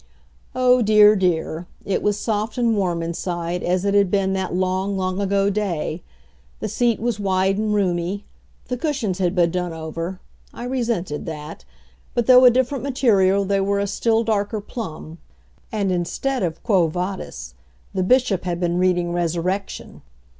Oh, dear, dear! It was soft and warm inside as it had been that long, long ago day. The seat was wide and roomy. The cushions had been done over I resented that but though a different material, they were a still darker plum. And instead of Quo Vadis, the Bishop had been reading Resurrection.